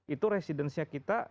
itu residensinya kita